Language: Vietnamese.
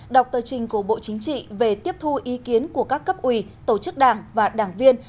đọc tờ trình của bộ chính trị về tiếp thu ý kiến của các cấp ủy tổ chức đảng và đảng viên